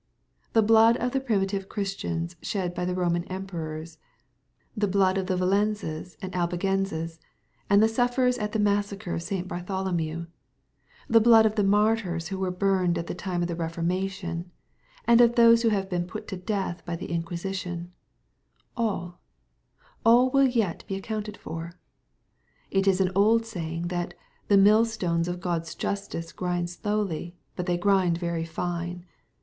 ^ The blood of the primitive Christians shed by the Roman Emperors, — the blood of the Vallenses and Albigenses, and the sufferers at the massacre of St. Bartholomew, — ^the blood of the martyrs who were burned at the time of the Reformation, and of those who have been put to death by the Inquisition — all, all will yet be accounted for. It is an old saying, that " the mill stones of God's justice grind slowly, but they grind very fine.'